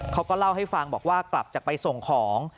เขาก็เล่าให้ฟังบอกว่ากลับจากไปส่งของ